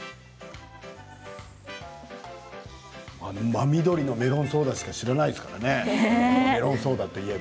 真緑のメロンソーダしか知らないですよね。